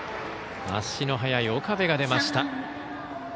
足の速い岡部が出ました。